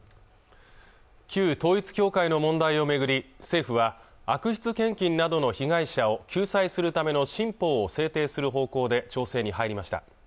旧統一教会の問題を巡り政府は悪質献金などの被害者を救済するための新法を制定する方向で調整に入りました